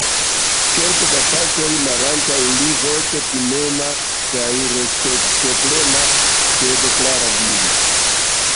Kelke da paŝoj malantaŭ li voĉo timema kaj respektoplena, sed klara, diris: